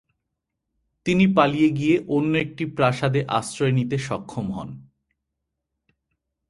তিনি পালিয়ে গিয়ে অন্য একটি প্রাসাদে আশ্রয় নিয়ে সক্ষম হন।